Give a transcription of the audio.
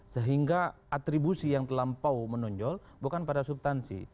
sehingga atribusi yang terlampau menonjol bukan pada subtansi